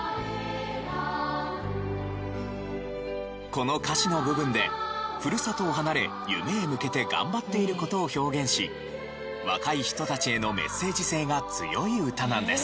この歌詞の部分でふるさとを離れ夢へ向けて頑張っている事を表現し若い人たちへのメッセージ性が強い歌なんです。